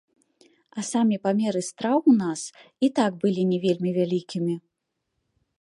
А самі памеры страў у нас і так былі не вельмі вялікімі.